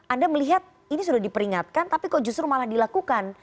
anda melihat ini sudah diperingatkan tapi kok justru malah dilakukan